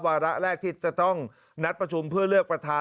วาระแรกที่จะต้องนัดประชุมเพื่อเลือกประธาน